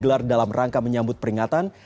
gelar dalam rangka menyambut peringatan